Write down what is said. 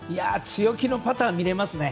強気のパターが見れますね。